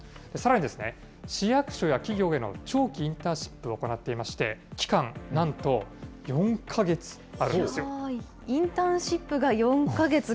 さらにですね、市役所や企業への長期インターンシップを行っていまして、期間なんと４か月あるんインターンシップが４か月？